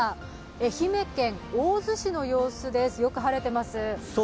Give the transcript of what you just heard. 愛媛県大洲市の様子です、よく晴れてます。